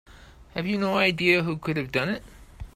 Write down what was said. Have you no idea who could have done it?